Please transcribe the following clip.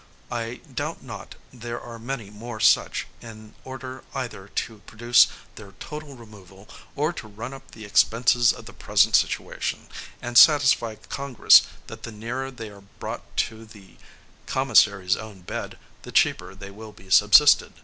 I doubt not there are many more such, in order either to produce their total removal, or to run up the expenses of the present situation, and satisfy Congress that the nearer they are brought to the commissary's own bed, the cheaper they will be subsisted.